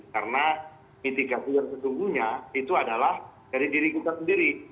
karena mitigasi yang sesungguhnya itu adalah dari diri kita sendiri